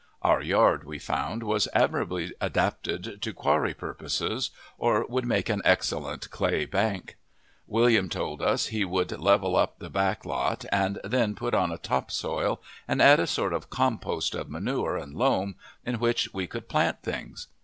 Our yard, we found, was admirably adapted to quarry purposes, or would make an excellent clay bank. William told us he would level up the back lot and then put on a top soil and add a sort of compost of manure and loam, in which we could plant things.